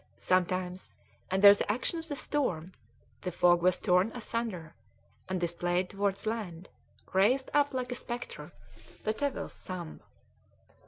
Sometimes, under the action of the storm, the fog was torn asunder, and displayed towards land, raised up like a spectre, the Devil's Thumb.